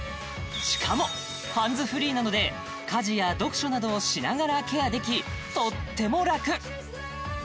しかもハンズフリーなので家事や読書などをしながらケアできとってもラク！